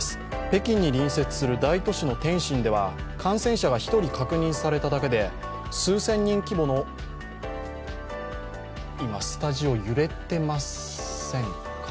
北京に隣接する大都市の天津では感染者が１人確認されただけで数千人規模の今、スタジオ揺れてませんか？